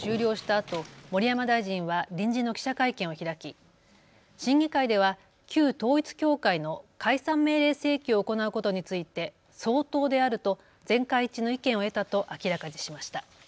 あと盛山大臣は臨時の記者会見を開き審議会では旧統一教会の解散命令請求を行うことについて相当であると全会一致の意見を得たと明らかにしました。